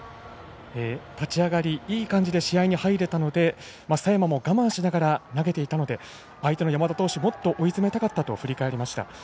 立ち上がりいい感じで試合に入れたので佐山も我慢しながら投げていたので相手の山田投手もっと追い詰めたかったと話してました。